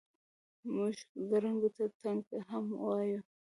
موږ ګړنګو ته ټنګه هم وایو.